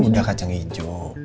tadi udah kacang hijau